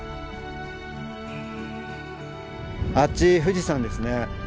あっち富士山ですね。